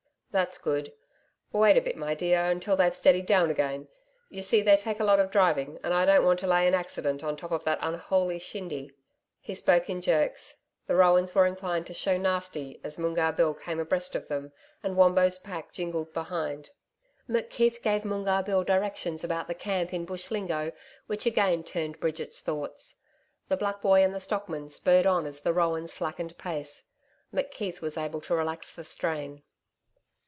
'That's good.... Wait a bit, my dear, until they've steadied down again.... Y'see they take a lot of driving, and I don't want to lay an accident on top of that unholy shindy....' He spoke in jerks. The roans were inclined to 'show nasty' as Moongarr Bill came abreast of them, and Wombo's pack jingled behind. McKeith gave Moongarr Bill directions about the camp in Bush lingo, which again turned Bridget's thoughts. The black boy and the stockman spurred on as the roans slackened pace. McKeith was able to relax the strain.